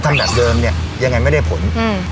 ต้องทำหนักเดิมเนี้ยยังไงไม่ได้ผลอืม